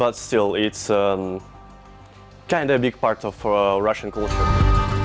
tapi masih saja itu adalah bagian besar dari budaya rusia